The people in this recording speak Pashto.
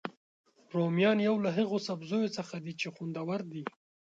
رومیان یو له هغوسبزیو څخه دي چې خوندور دي